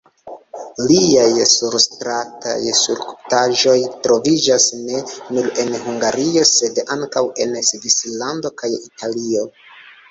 Liaj surstrataj skulptaĵoj troviĝas ne nur en Hungario, sed ankaŭ en Svislando kaj Italio.